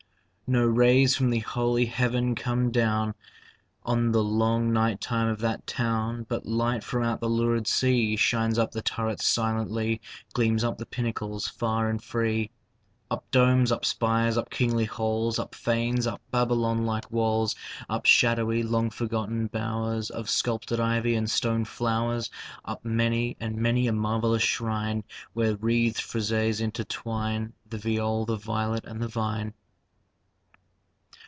No rays from the holy heaven come down On the long night time of that town, But light from out the lurid sea Shines up the turrets silently, Gleams up the pinnacles far and free; Up domes up spires up kingly halls Up fanes up Babylon like walls Up shadowy long forgotten bowers Of sculptured ivy and stone flowers Up many and many a marvelous shrine Where wreathed friezes intertwine The viol, the violet, and the vine.